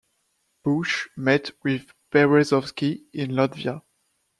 Bush met with Berezovsky in Latvia.